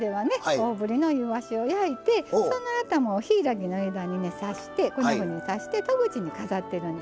大ぶりのいわしを焼いてその頭をヒイラギの枝にね刺してこんなふうに刺して戸口に飾ってるんですよ。